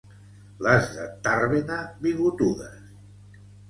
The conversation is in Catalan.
Les de Tàrbena, bigotudes